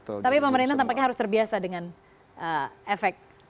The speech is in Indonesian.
tapi pemerintah tampaknya harus terbiasa dengan efek